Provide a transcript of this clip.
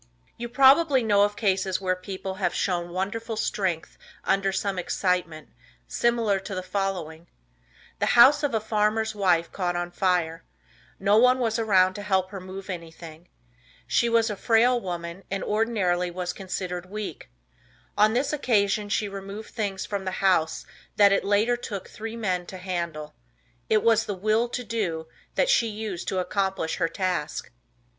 You probably know of cases where people have shown wonderful strength under some excitement, similar to the following: The house of a farmer's wife caught on fire. No one was around to help her move anything. She was a frail woman, and ordinarily was considered weak. On this occasion she removed things from the house that it later took three men to handle. It was the "Will To Do" that she used to accomplish her task.